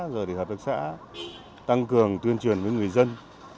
rồi thì hợp tác xã tăng cường tuyên truyền với người dân